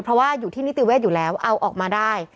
เพราะว่าอยู่ที่นิติเวศอยู่แล้วเอาออกมาได้